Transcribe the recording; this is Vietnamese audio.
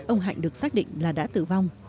ông hạnh được xác định là đã tử vong